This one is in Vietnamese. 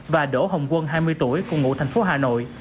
và đỗ hồng quân hai mươi tuổi cùng ngụ thành phố hà nội